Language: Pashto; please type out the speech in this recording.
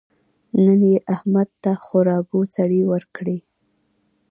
نن يې احمد ته خورا ګوسړې ورکړې.